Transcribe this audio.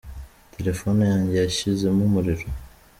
Telefoni yanjye yashizemo umuriro.